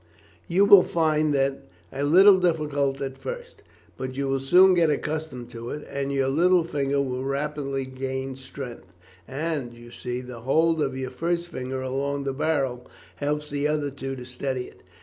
"You will find that a little difficult at first, but you will soon get accustomed to it, and your little finger will rapidly gain strength, and, you see, the hold of your first finger along the barrel helps the other two to steady it.